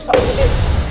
salah bu dewi